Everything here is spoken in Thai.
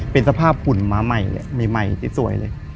เป็นสภาพฝุ่นม้าใหม่เลยใหม่สวยเลย